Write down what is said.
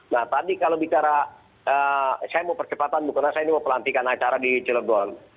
nah tadi kalau bicara saya mau percepatan bu karena saya ini mau pelantikan acara di cilegon